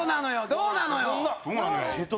どうなのよ？